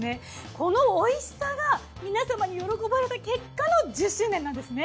このおいしさが皆さまに喜ばれた結果の１０周年なんですね。